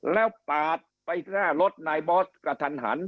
แล้วปาดไปหน้ารถนายบอสกระทันหัน